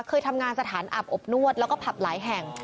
เคยทำงานสถานอาบอบนวดแล้วก็ผับหลายแห่ง